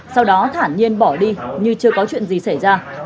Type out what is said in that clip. sau đó thảm nhiên bỏ đi như chưa có chuyện gì xảy ra